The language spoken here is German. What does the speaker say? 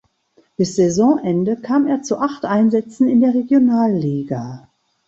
Bis Saisonende kam er zu acht Einsätzen in der Regionalliga.